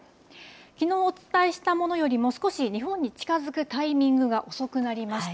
きのうお伝えしたものよりも、少し日本に近づくタイミングが遅くなりました。